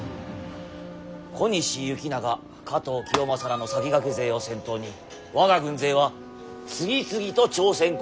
小西行長加藤清正らの先駆け勢を先頭に我が軍勢は次々と朝鮮国へ上陸。